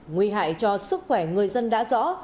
nguy hại cho sức khỏe người dân đã rõ